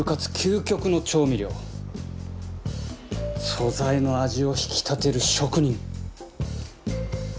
素材の味を引き立てる職人！